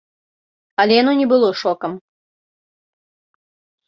Але яно не было шокам.